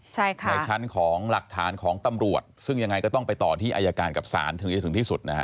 ใช่ค่ะในชั้นของหลักฐานของตำรวจซึ่งยังไงก็ต้องไปต่อที่อายการกับศาลถึงจะถึงที่สุดนะฮะ